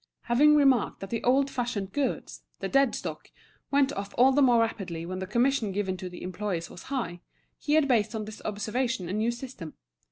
Having remarked that the old fashioned goods, the dead stock, went off all the more rapidly when the commission given to the employees was high, he had based on this observation a new system.